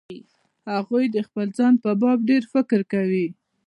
هغوی د خپل ځان په باب ډېر فکر کوي.